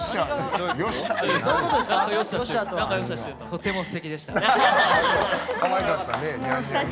とてもすてきでした。